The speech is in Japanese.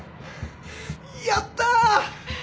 やった！